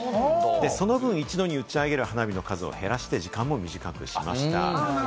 その分、一度に打ち上げる花火の数を減らして、時間も短くしました。